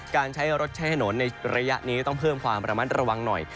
การใช้รถใช้ถนนในระยะนี้ต้องเพิ่มความระมัดระวังหน่อย